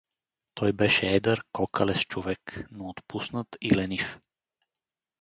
Той беше едър, кокалест човек, но отпуснат и ленив.